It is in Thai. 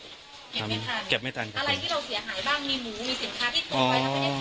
เก็บไม่ทันครับอะไรที่เราเสียหายบ้างมีหมูมีสินค้าที่สวย